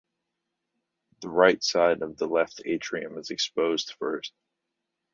The right side of the left atrium is exposed first.